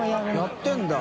やってるんだ。